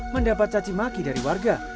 mendapat cacimaki dari warga